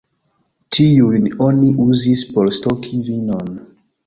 Tiujn oni uzis por stoki vinon.